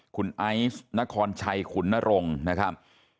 คุณไอ้นครชัยคุณนรงนะครับ